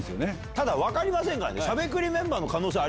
ただ分かりませんからね。